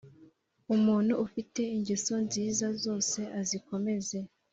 Umuntu ufite ingeso nziza zose azikomeze.